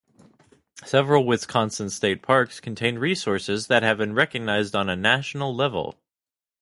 Several Wisconsin state parks contain resources that have been recognized on a national level.